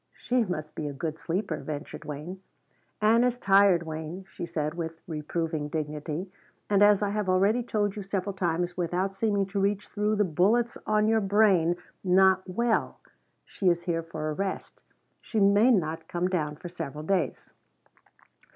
"She must be a good sleeper," ventured Wayne. "Ann is tired, Wayne," she said with reproving dignity, "and as I have already told you several times without seeming to reach through the bullets on your brain, not well. She is here for a rest. She may not come down for several days."